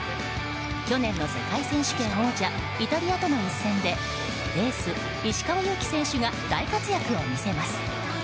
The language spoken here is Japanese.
去年の世界選手権王者イタリアとの一戦でエース石川祐希選手が大活躍を見せます。